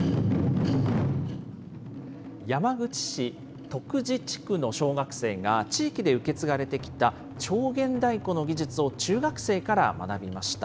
山口市徳地地区の小学生が、地域で受け継がれてきた重源太鼓の技術を中学生から学びました。